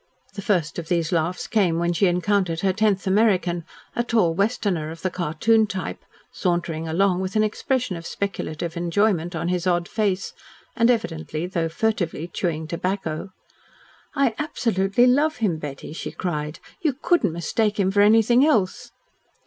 The first of these laughs came when she counted her tenth American, a tall Westerner of the cartoon type, sauntering along with an expression of speculative enjoyment on his odd face, and evidently, though furtively, chewing tobacco. "I absolutely love him, Betty," she cried. "You couldn't mistake him for anything else."